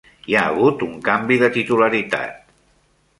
Hi ha hagut un canvi de titularitat.